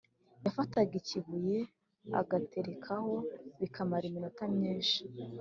yafataga ikibuye akagerekaho bikamara iminota myinshi